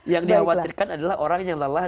yang dikhawatirkan adalah orang yang lelah